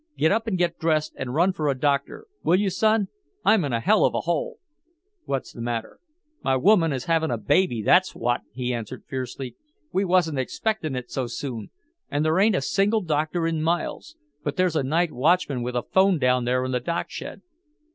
"Get up and get dressed and run for a doctor. Will you, son? I'm in a hell of a hole!" "What's the matter!" "My woman is havin' a baby, that's what," he answered fiercely. "We wasn't expectin' it so soon! An' there ain't a single doctor in miles! But there's a night watchman with a 'phone down there in the dockshed!"